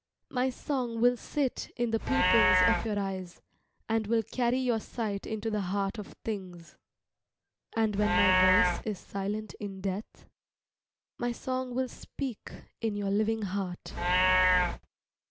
My song will sit in the pupils of your eyes, and will carry your sight into the heart of things. And when my voice is silent in death, my song will speak in your living heart.